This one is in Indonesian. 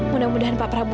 mudah mudahan pak prabu